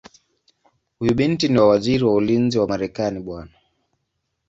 Huyu ni binti wa Waziri wa Ulinzi wa Marekani Bw.